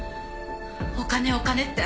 お金お金って。